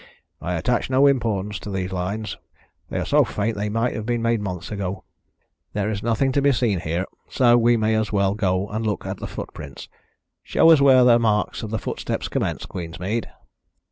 "I attach no importance to these lines. They are so faint that they might have been made months ago. There is nothing to be seen here, so we may as well go and look at the footprints. Show us where the marks of the footsteps commence, Queensmead."